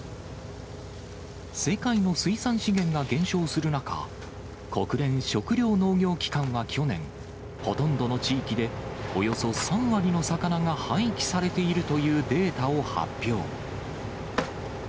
世界の水産資源が減少する中、国連食糧農業機関は去年、ほとんどの地域で、およそ３割の魚が廃棄されているというデータを発表。